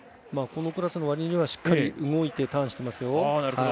このクラスの割にはしっかりと動いてターンしていますよ。